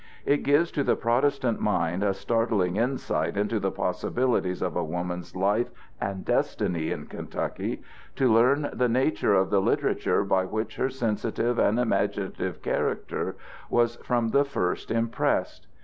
It gives to the Protestant mind a startling insight into the possibilities of a woman's life and destiny in Kentucky to learn the nature of the literature by which her sensitive and imaginative character was from the first impressed.